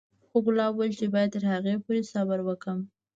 خو ګلاب وويل چې بايد تر هغې پورې صبر وکړم.